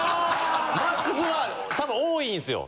マックスは多分多いんですよ。